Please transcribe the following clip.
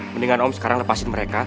mendingan om sekarang lepasin mereka